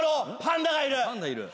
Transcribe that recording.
パンダいる。